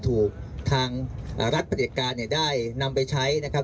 ถูกทางรัฐประเด็จการเนี่ยได้นำไปใช้นะครับ